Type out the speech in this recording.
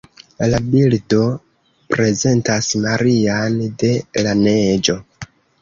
La bildo prezentas Marian de la Neĝo.